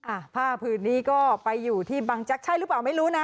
อ่ะผ้าผืนนี้ก็ไปอยู่ที่บังแจ็คใช่หรือเปล่าไม่รู้นะ